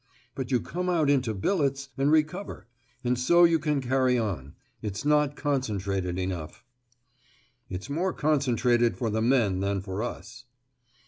But you come out into billets, and recover; and so you can carry on. It's not concentrated enough." "It's more concentrated for the men than for us."